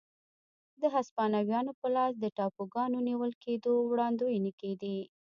د هسپانویانو په لاس د ټاپوګانو نیول کېدو وړاندوېنې کېدې.